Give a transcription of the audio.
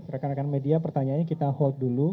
rekan rekan media pertanyaannya kita hold dulu